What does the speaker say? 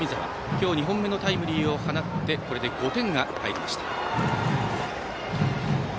今日２本目のタイムリーを放ってこれで５点が入りました。